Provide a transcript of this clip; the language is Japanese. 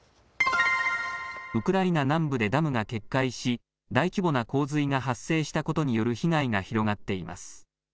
ウクライナ南部でダムが決壊し大規模な洪水が発生したことによる被害が広がっています。